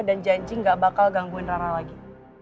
dan janji gak bakal gangguin rara lagi